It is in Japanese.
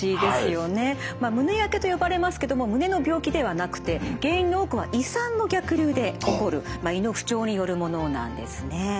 まあ胸やけと呼ばれますけども胸の病気ではなくて原因の多くは胃酸の逆流で起こる胃の不調によるものなんですね。